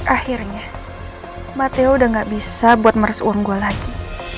akhirnya mateo udah nggak bisa buat meresu uang gua lagi